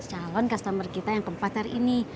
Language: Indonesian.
calon customer kita yang kemepat hari ini